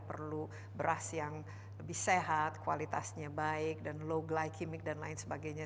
perlu beras yang lebih sehat kualitasnya baik dan low glikemic dan lain sebagainya